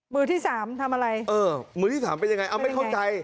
มือที่สามทำอะไรเออมือที่สามเป็นยังไงเอาไม่เข้าใจ